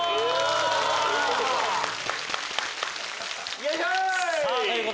よいしょい！